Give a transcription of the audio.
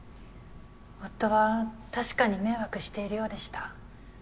夫は確かに迷惑しているようでした。